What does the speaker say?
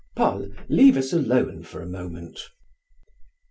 "Paul, leave us alone for a moment."